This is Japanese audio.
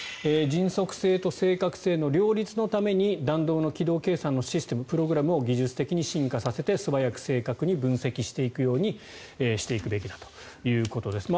迅速性と正確性の両立のために弾道の軌道計算のシステムプログラムを技術的に進化させて素早く正確に分析していくようにしていくべきだということです。